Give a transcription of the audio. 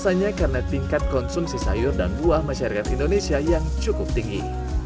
biasanya karena tingkat konsumsi sayur dan buah masyarakat indonesia yang cukup tinggi